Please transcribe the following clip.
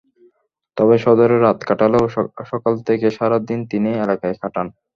তবে সদরে রাত কাটালেও সকাল থেকে সারা দিন তিনি এলাকায় কাটান।